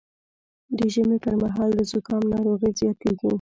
د ژمي پر مهال د زکام ناروغي زیاتېږي